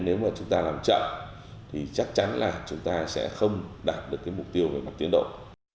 nếu mà chúng ta làm chậm thì chắc chắn là chúng ta sẽ không đạt được mục tiêu về mặt tuyến độc